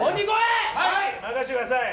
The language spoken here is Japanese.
任せてください。